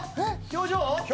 表情？